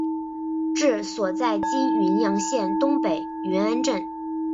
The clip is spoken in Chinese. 治所在今云阳县东北云安镇。